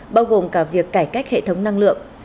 bao gồm cả việc cải cách hệ thống năng lượng